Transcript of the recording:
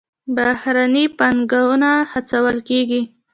بهرنۍ پانګونه هڅول کیږي